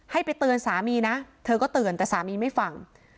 ให้ไปเตือนสามีนะเธอก็เตือนแต่สามีไม่ฟัง